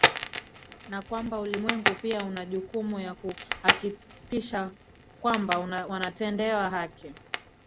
na kwamba ulimwengu pia unajukumu ya kuhakikitisha kwamba wanatendewa haki